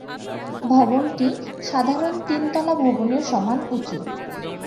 ভবনটি সাধারণ তিন তলা ভবনের সমান উঁচু।